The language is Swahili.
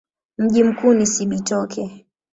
Mji mkuu ni Cibitoke.